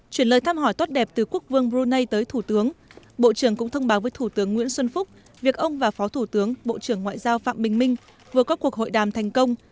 chuyển lời thăm hỏi tốt đẹp từ quốc vương brunei tới thủ tướng bộ trưởng cũng thông báo với thủ tướng nguyễn xuân phúc việc ông và phó thủ tướng bộ trưởng ngoại giao phạm bình minh vừa có cuộc hội đàm thành công